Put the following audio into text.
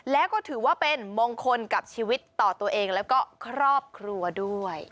แล้วก็ถือว่าเป็นมงคลกับชีวิตต่อตัวเองแล้วก็ครอบครัวด้วย